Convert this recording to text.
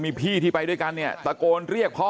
มีพี่ที่ไปด้วยกันเนี่ยตะโกนเรียกพ่อ